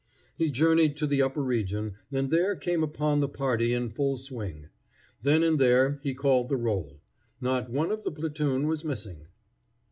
He journeyed to the upper region, and there came upon the party in full swing. Then and there he called the roll. Not one of the platoon was missing.